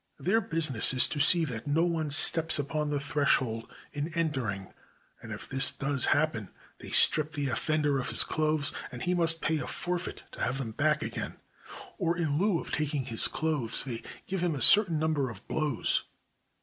Their business is to see that no one steps upon the threshold in entering; and if this does happen, they strip the offender of his clothes, and he must pay a forfeit to have them back again; or in lieu of taking his clothes, they give him a certain number of blows.